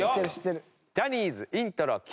ジャニーズイントロＱ！